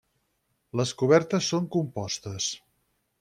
Les cobertes són compostes.